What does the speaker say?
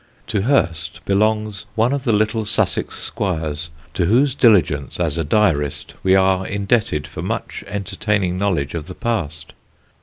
To Hurst belongs one of the little Sussex squires to whose diligence as a diarist we are indebted for much entertaining knowledge of the past.